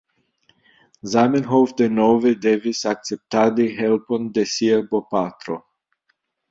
Zamenhof denove devis akceptadi helpon de sia bopatro.